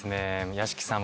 屋敷さん